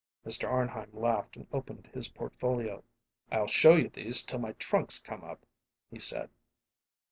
Mr. Arnheim laughed and opened his portfolio. "I'll show you these till my trunks come up," he said.